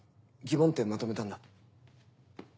疑問点をまとめたんだ。